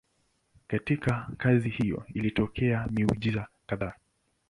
Katika kazi hiyo ilitokea miujiza kadhaa.